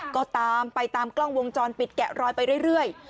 ก็ตามไปตามกล้องวงจรปิดแกะรอยไปเรื่อย